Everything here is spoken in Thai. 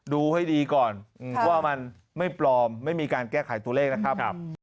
ดูให้ดีก่อนว่ามันไม่ปลอมไม่มีการแก้ไขตัวเลขนะครับ